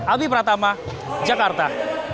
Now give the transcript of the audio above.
abi pratama jakarta